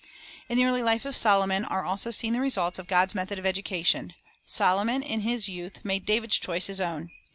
2 In the early life of Solomon also are seen the results of God's method of education. Solomon in his youth made David's choice his own.